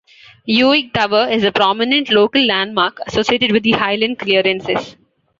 Uig Tower is a prominent local landmark associated with the Highland Clearances.